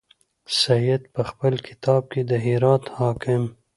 سید په خپل کتاب کې د هرات حاکم.